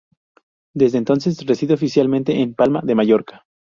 Desde entonces reside oficialmente en Palma de Mallorca.